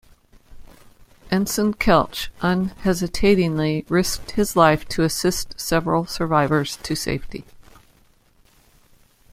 Ensign Keltch unhesitatingly risked his life to assist several survivors to safety.